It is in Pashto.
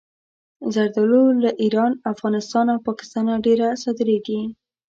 زردالو له ایران، افغانستان او پاکستانه ډېره صادرېږي.